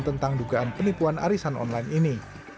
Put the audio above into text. tentang dugaan penipuan arisan online ini